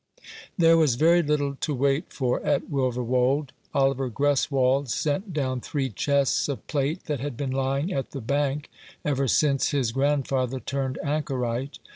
There was very little to wait for at Wilverwold. Oliver Greswold sent down three chests of plate that had been lying at the Bank ever since his grandfather turned anchorite.